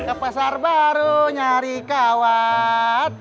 ke pasar baru nyari kawat